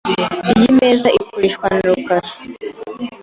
Iyi meza ikoreshwa na rukara .